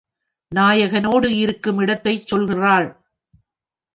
நாயகனோடு இருக்கும் இடத்தைச் சொல்கிறாள்.